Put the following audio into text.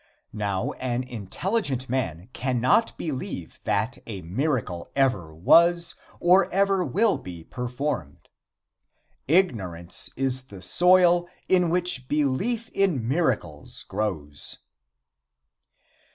Now an intelligent man cannot believe that a miracle ever was, or ever will be, performed. Ignorance is the soil in which belief in miracles grows.